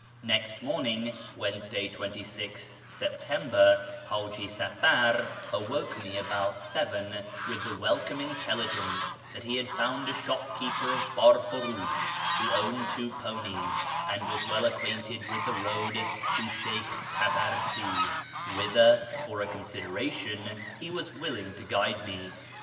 Next morning (Wednesday, 2Gth September) Hi'iji Safar awoke me about 7 M'itli the welcome intelligence that he had found a shopkeeper of Biirfuri'ish, who owned two ponies, and was well acquainted with the road to Sheykh Tabarsi, whither, for a consideration, he was willing to guide me.